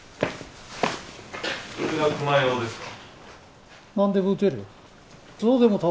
それがクマ用ですか？